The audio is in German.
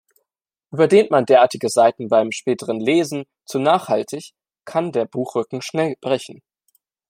Überdehnt man derartige Seiten beim späteren Lesen zu nachhaltig, kann der Buchrücken schnell brechen.